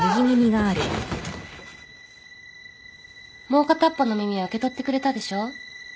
もう片っぽの耳は受け取ってくれたでしょ？